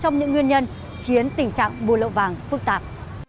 trong những nguyên nhân khiến tình trạng buôn lậu vàng phức tạp